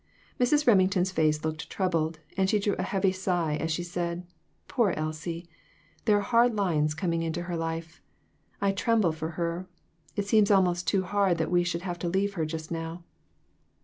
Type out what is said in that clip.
Mrs. Remington's face looked troubled, and she drew a heavy sigh as she said " Poor Elsie ! there are hard lines coming into her life. I trem ble for her. It seems almost too hard that we should have to leave her just now.